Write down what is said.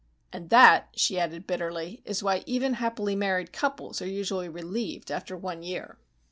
"And that," she added bitterly, "is why even happily married couples are usually relieved after one year."